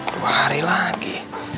dua hari lagi